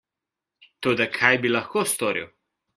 Toda kaj bi lahko storil?